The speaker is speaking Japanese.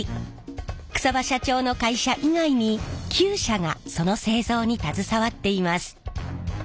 草場社長の会社以外に９社がその製造に携わっています。